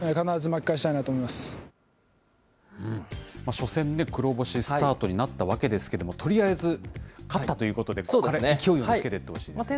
初戦ね、黒星スタートになったわけですけど、とりあえず、勝ったということで、勢いをつけていってほしいですね。